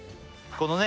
このね